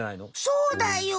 そうだよ！